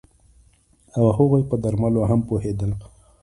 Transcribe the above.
او هغوی په درملو هم پوهیدل